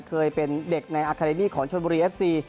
เคยเป็นเด็กในอาคาเดมี่ของชนบุรีเอฟซี